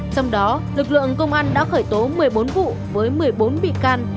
trong đó lực lượng công an đã khởi tố một mươi bốn vụ với một mươi bốn bị can